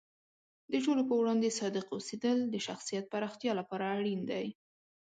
د ټولو په وړاندې صادق اوسیدل د شخصیت پراختیا لپاره اړین دی.